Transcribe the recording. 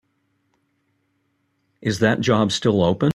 Is that job still open?